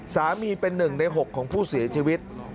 สามีเป็น๑ใน๖ของผู้เสียชีวิต